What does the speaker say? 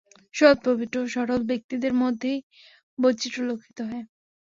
সৎ, পবিত্র ও সরল ব্যক্তিদের মধ্যেই বৈচিত্র্য লক্ষিত হয়।